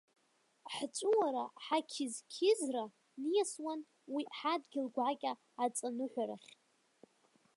Ҳҵәыуара, ҳақьызқьызра ниасуан уи ҳадгьыл гәакьа аҵаныҳәарахь.